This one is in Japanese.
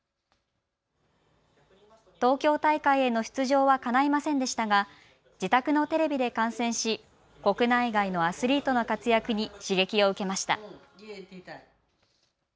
東京大会への出場はかないませんでしたが自宅のテレビで観戦し国内外のアスリートの活躍に刺激を受けました。